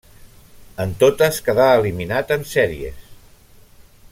En totes quedà eliminat en sèries.